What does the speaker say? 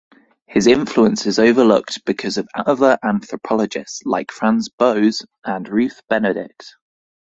His influence is overlooked because of other anthropologists like Franz Boas and Ruth Benedict.